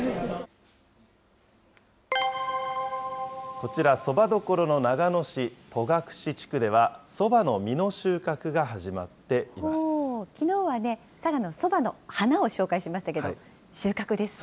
こちら、そばどころの長野市戸隠地区では、きのうはね、佐賀のそばの花を紹介しましたけれども、収穫ですね。